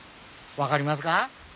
分かります。